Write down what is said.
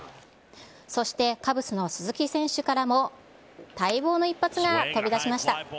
そしてカブスの鈴木選手からも、待望の一発が飛び出しました。